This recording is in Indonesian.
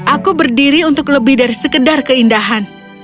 aku berdiri untuk lebih dari sekedar keindahan